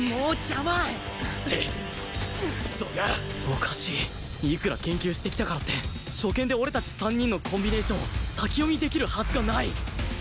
おかしいいくら研究してきたからって初見で俺たち３人のコンビネーションを先読みできるはずがない！